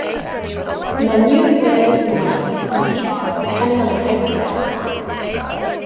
Menus vary in length and detail depending on the type of restaurant.